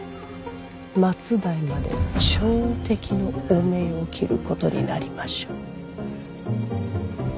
末代まで朝敵の汚名を着ることになりましょう。